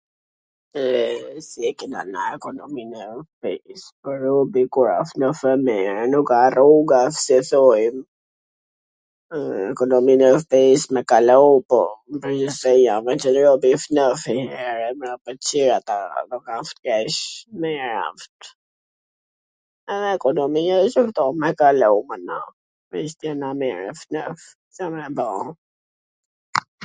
E, si e kena na ekonomin e shpis. Po robi kur asht me fwmij nuk a rruga si thojn ... me qen robi shnosh njwher... ekonomia wsht me kalu, mana, veC t jena mir e shndodh... Ca me ba...